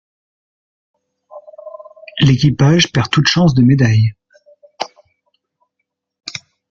L’équipage perd toute chance de médaille.